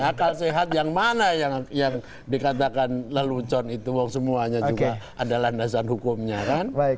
akal sehat yang mana yang dikatakan lelucon itu semuanya juga ada landasan hukumnya kan